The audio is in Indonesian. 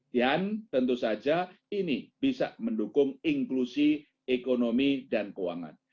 dan tentu saja ini bisa mendukung inklusi ekonomi dan keuangan